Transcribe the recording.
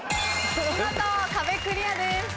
見事壁クリアです。